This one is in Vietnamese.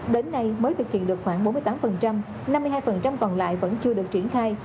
đến nay mới thực hiện được khoảng bốn mươi tám năm mươi hai còn lại vẫn chưa được triển khai